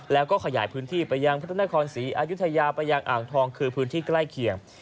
แล้วก็ขยายพื้นที่ไปยังพระนครศรีอายุทยาไปยังอ่างทองคือพื้นที่ใกล้เคียง